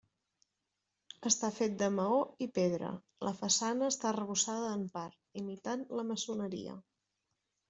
Està fet de maó i pedra; la façana està arrebossada en part, imitant la maçoneria.